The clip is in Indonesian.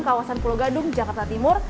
kawasan pulau gadung jakarta timur